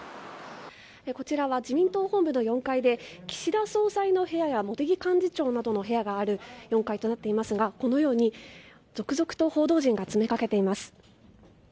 こちらは自民党本部の４階で岸田総裁の部屋や茂木幹事長などの部屋がある４階となっていますがこのように続々と報道陣が詰めかけています。